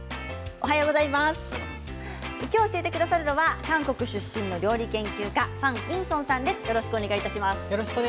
今日、教えてくださるのは韓国出身の料理研究家ファン・インソンさんです。